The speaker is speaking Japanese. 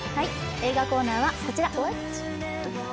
映画コーナーはこちら。